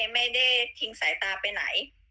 ไม่ได้ทิ้งสายตาไปไหน